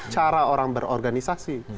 cara orang berorganisasi